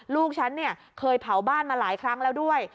ลูกฉันเนี่ยเคยเผาบ้านมาหลายครั้งแล้วด้วย